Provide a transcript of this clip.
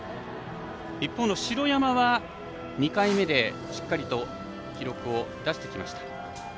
一方の城山、２回目でしっかりと記録を出してきました。